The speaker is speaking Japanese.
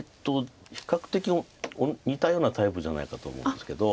比較的似たようなタイプじゃないかと思うんですけど。